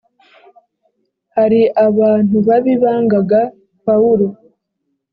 hari abantu babi bangaga pawulo